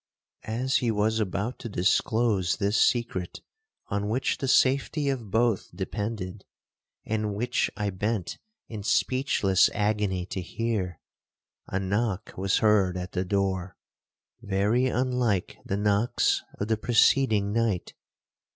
'As he was about to disclose this secret on which the safety of both depended, and which I bent in speechless agony to hear, a knock was heard at the door, very unlike the knocks of the preceding night.